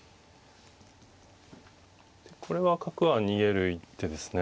これは角は逃げる一手ですね。